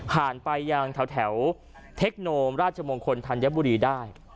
ไปยังแถวเทคโนราชมงคลธัญบุรีได้